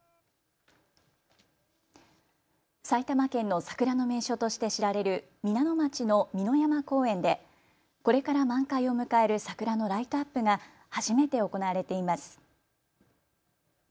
埼玉県の桜の名所として知られる皆野町の美の山公園でこれから満開を迎える桜のライトアップが初めて行われています。